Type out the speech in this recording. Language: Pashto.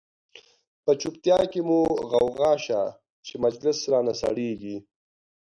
په چوپتیا کی مو غوغا شه، چه مجلس را نه سړیږی